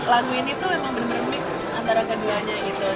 lagu ini tuh emang bener bener mix antara keduanya gitu